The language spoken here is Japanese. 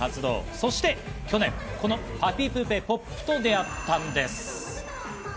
そして去年、この『ぱぴぷぺＰＯＰ！』と出会ったんです。